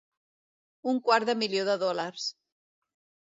Un quart de milió de dòlars.